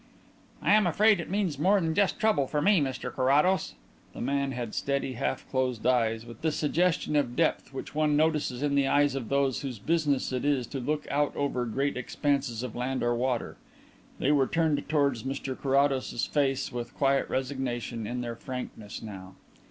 "I'm afraid it means more than just trouble for me, Mr Carrados." The man had steady, half closed eyes, with the suggestion of depth which one notices in the eyes of those whose business it is to look out over great expanses of land or water; they were turned towards Carrados's face with quiet resignation in their frankness now.